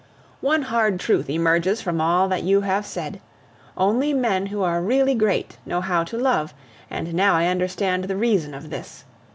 One hard truth emerges from all that you have said. Only men who are really great know how to love, and now I understand the reason of this.